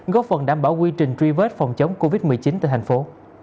góp phần đảm bảo quy trình truy vết phòng chống covid một mươi chín tại thành phố